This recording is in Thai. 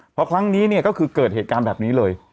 เพราะครั้งนี้เนี่ยก็คือเกิดเหตุการณ์แบบนี้เลย